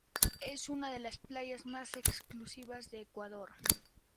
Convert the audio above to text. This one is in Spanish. Es una de las playas más exclusivas del Ecuador.